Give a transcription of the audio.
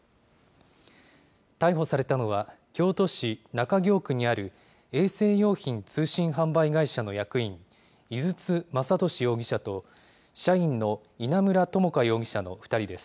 逮捕されたのは、京都市中京区にある、衛生用品通信販売会社の役員、井筒雅俊容疑者と、社員の稲村知香容疑者の２人です。